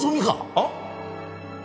あっ？